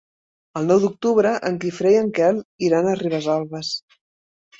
El nou d'octubre en Guifré i en Quel iran a Ribesalbes.